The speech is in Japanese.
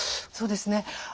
そうですね